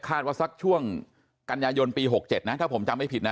ว่าสักช่วงกันยายนปี๖๗นะถ้าผมจำไม่ผิดนะ